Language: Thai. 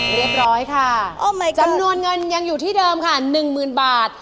เรียบร้อยค่ะจำนวนเงินยังอยู่ที่เดิมค่ะหนึ่งหมื่นบาท